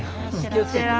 気をつけて。